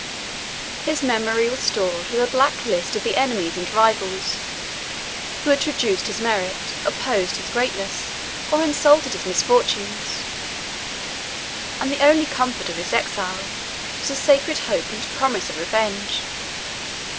His memory was stored with a black list of the enemies and rivals, who had traduced his merit, opposed his greatness, or insulted his misfortunes; and the only comfort of his exile was the sacred hope and promise of revenge.